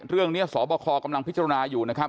เรื่องเนี้ยสอบคกำลังพิจารณาอยู่นะครับ